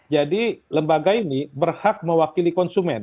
jadi lembaga ini berhak mewakili konsumen